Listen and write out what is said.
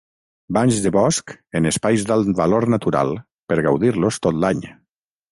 Banys de Bosc en espais d'alt valor natural per gaudir-los tot l'any.